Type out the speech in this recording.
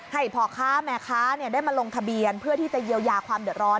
ให้พ่อค้าแม่ค้าได้มาลงทะเบียนเพื่อที่จะเยียวยาความเดือดร้อน